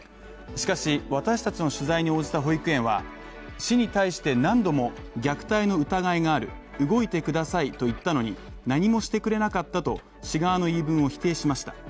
しかし、私たちの取材に応じた保育園は市に対して、何度も虐待の疑いがある動いてくださいと言ったのに何もしてくれなかったと市側の言い分を否定しました。